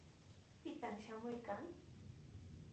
¿Pitaq shamuykan?